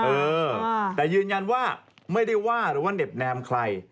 เออแต่ยืนยันว่าไม่ได้ว่าหรือว่าเน็บแนมใคร